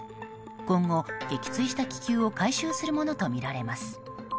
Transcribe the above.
今後、撃墜した気球を回収するものとみられます。